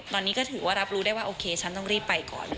ตอนนี้ก็ถือว่ารับรู้ได้ว่าโอเคฉันต้องรีบไปก่อน